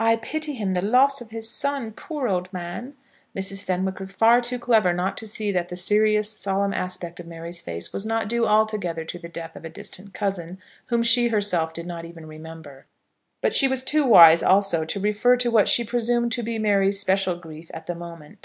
"I pity him the loss of his son; poor old man!" Mrs. Fenwick was far too clever not to see that the serious, solemn aspect of Mary's face was not due altogether to the death of a distant cousin, whom she herself did not even remember; but she was too wise, also, to refer to what she presumed to be Mary's special grief at the moment.